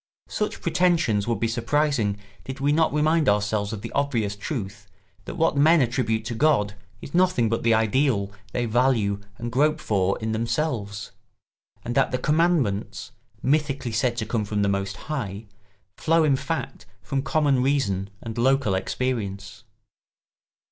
Such pretensions would be surprising did we not remind ourselves of the obvious truth that what men attribute to God is nothing but the ideal they value and grope for in themselves, and that the commandments, mythically said to come from the Most High, flow in fact from common reason and local experience.